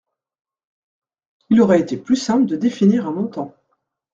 Il aurait été plus simple de définir un montant.